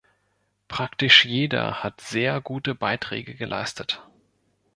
Praktisch jeder hat sehr gute Beiträge geleistet.